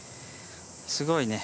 すごいね。